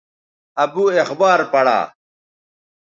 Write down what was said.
ابو اخبار پڑا